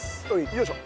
よいしょ。